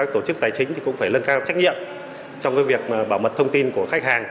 tổ chức tài chính cũng phải lân cao trách nhiệm trong việc bảo mật thông tin của khách hàng